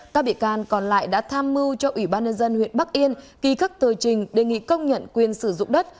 các bị can còn lại đã tham mưu cho ủy ban nhân dân huyện bắc yên ký các tờ trình đề nghị công nhận quyền sử dụng đất